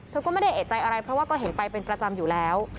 ก็ไม่ได้เอกใจอะไรเพราะว่าก็เห็นไปเป็นประจำอยู่แล้ว